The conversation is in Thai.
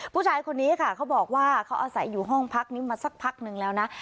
ผู้ชายคนนี้ค่ะเขาบอกว่าเขาอาศัยอยู่ห้องพักนี้มาสักพักนึงแล้วนะ